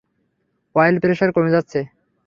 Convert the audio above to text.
Oil pressure কমে যাচ্ছে!